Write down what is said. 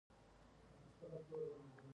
ایا زه باید لاسونه تر سر لاندې کړم؟